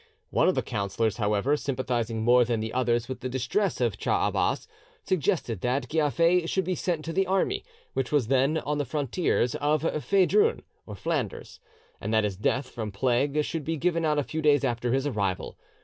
One of the councillors, however, sympathising more than the others with the distress of Cha Abas, suggested that Giafer should be sent to the army, which was then on the frontiers of Feidrun (Flanders), and that his death from plague should be given out a few days after his arrival.